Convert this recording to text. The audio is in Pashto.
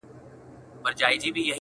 o اغزى د گل د رويه اوبېږي.